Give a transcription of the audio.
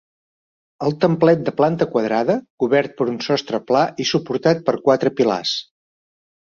El templet de planta quadrada, cobert per un sostre pla, i suportat per quatre pilars.